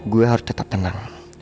gue harus tetap tenang